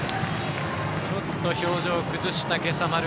ちょっと表情、崩した今朝丸。